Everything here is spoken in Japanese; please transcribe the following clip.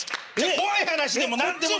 怖い話でも何でもない！